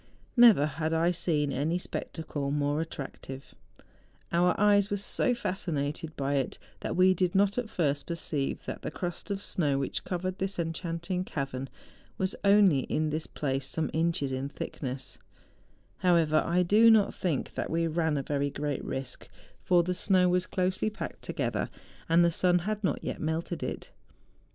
Never had I seen any spectacle more at THE JUNGFRAU. 65 tractive; our eyes were so fascinated by it that we did not at first perceive that the crust of snow which covered this enchanting cavern was only in this place some inches in thickness; however, I do not think that we ran a very great risk, for the snow was closely packed together, and the sun had not yet melted it.